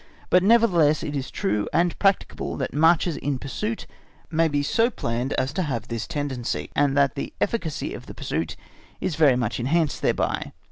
But nevertheless it is true and practicable that marches in pursuit may be so planned as to have this tendency, and that the efficacy of the pursuit is very much enchanced thereby.